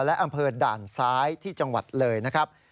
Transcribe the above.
และอำเภอด่านซ้ายที่จังหวัดเลยนะครับ